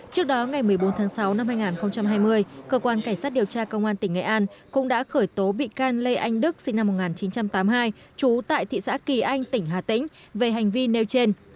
trước đó ngày một mươi bốn tháng sáu năm hai nghìn hai mươi cơ quan cảnh sát điều tra công an tỉnh nghệ an cũng đã khởi tố bị can lê anh đức sinh năm một nghìn chín trăm tám mươi hai trú tại thị xã kỳ anh tỉnh hà tĩnh về hành vi nêu trên